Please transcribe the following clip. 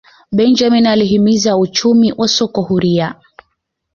benjamini alihimiza uchumi wa soko huria